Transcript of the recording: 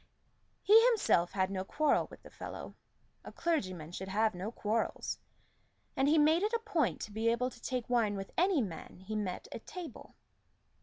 He himself had no quarrel with the fellow: a clergyman should have no quarrels, and he made it a point to be able to take wine with any man he met at table.